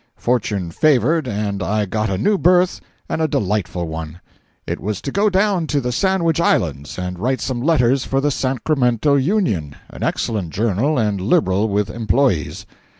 Fortune favored and I got a new berth and a delightful one. It was to go down to the Sandwich Islands and write some letters for the Sacramento Union, an excellent journal and liberal with employees.